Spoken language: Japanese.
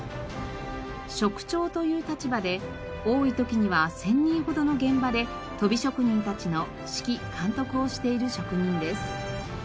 職長という立場で多い時には１０００人ほどの現場でとび職人たちの指揮監督をしている職人です。